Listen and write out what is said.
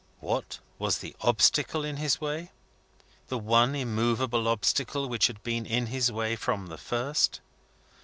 What was the obstacle in his way? The one immovable obstacle which had been in his way from the first.